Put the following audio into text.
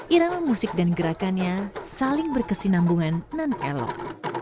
irama musik dan gerakannya saling berkesinambungan dan elok